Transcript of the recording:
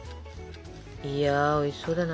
いやおいしそうだな